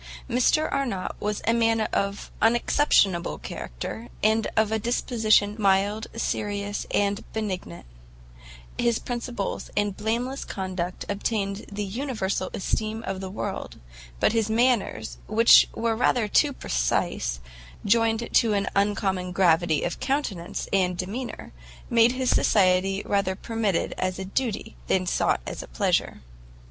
Mr Arnott was a young man of unexceptionable character, and of a disposition mild, serious and benignant: his principles and blameless conduct obtained the universal esteem of the world, but his manners, which were rather too precise, joined to an uncommon gravity of countenance and demeanour, made his society rather permitted as a duty, than sought as a pleasure.